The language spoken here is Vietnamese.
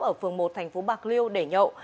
ở phường một thành phố bạc liêu để nhậu